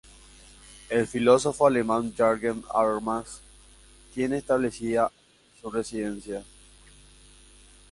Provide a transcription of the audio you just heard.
El filósofo alemán Jürgen Habermas tiene establecida aquí su residencia.